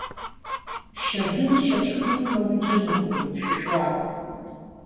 Шьардын дшьацәхныслауа иҿынеихоит, дшәышәуа.